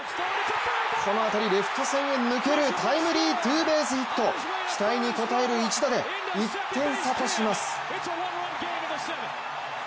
この当たり、レフト線へと抜けるタイムリーツーベースヒット期待に応える一打で１点差とします。